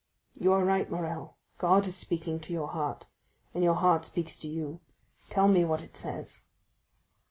"You are right, Morrel; God is speaking to your heart, and your heart speaks to you. Tell me what it says."